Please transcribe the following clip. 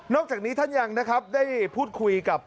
นอกจากนี้ท่านยังได้พูดคุยกับ